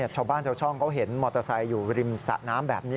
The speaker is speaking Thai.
ชาวบ้านชาวช่องเขาเห็นมอเตอร์ไซค์อยู่ริมสะน้ำแบบนี้